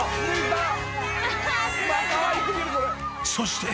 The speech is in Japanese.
［そして］